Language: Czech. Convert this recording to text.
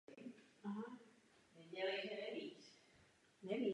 Založila nakladatelství Hay House.